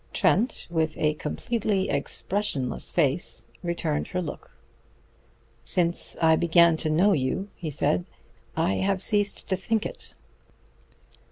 Trent, with a completely expressionless face, returned her look. "Since I began to know you," he said, "I have ceased to think it."